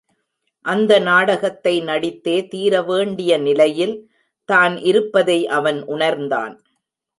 அந்த நாடகத்தை நடித்தே தீர வேண்டிய நிலையில், தான் இருப்பதை அவன் உணர்ந்தான்.